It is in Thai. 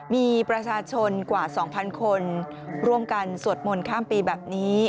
มีประชาชนกว่า๒๐๐คนร่วมกันสวดมนต์ข้ามปีแบบนี้